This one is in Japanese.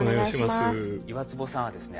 岩坪さんはですね